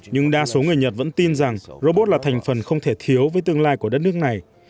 nhưng đa số người nhật vẫn tin rằng robot là thành phần không thể thiếu với tương lai của đất nước này